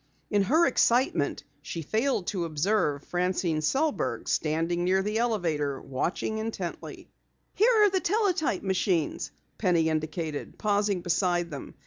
In her excitement she failed to observe Francine Sellberg standing by the elevator, watching intently. "Here are the teletype machines," Penny indicated, pausing beside them.